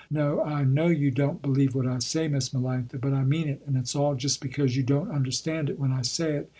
No I know you don't believe what I say, Miss Melanctha, but I mean it, and it's all just because you don't understand it when I say it.